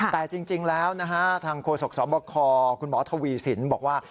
แต่จริงแล้วนะฮะทางโฆษกสบคคุณหมอทวีสินบอกว่า